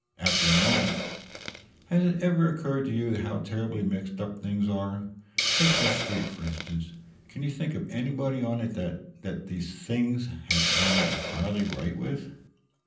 After a moment: "Has it ever occurred to you how terribly mixed up things are? Take this Street, for instance. Can you think of anybody on it that that things have gone entirely right with?"